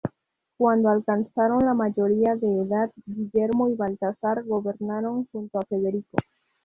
Cuando alcanzaron la mayoría de edad, Guillermo y Baltasar gobernaron junto a Federico.